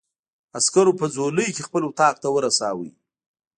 عسکرو په ځولۍ کې خپل اتاق ته ورساوه.